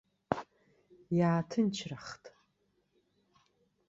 Иааҭынчрахт.